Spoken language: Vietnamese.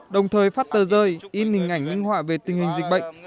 đồng thời phát tờ rơi in hình ảnh minh họa về tình hình dịch bệnh